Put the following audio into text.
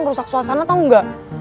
rusak suasana tau enggak